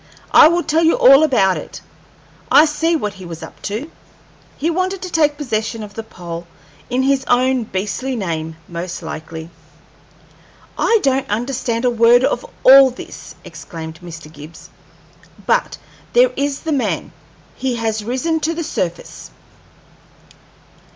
"I will tell you all about it. I see what he was up to. He wanted to take possession of the pole in his own beastly name, most likely." "I don't understand a word of all this," exclaimed Mr. Gibbs. "But there is the man; he has risen to the surface."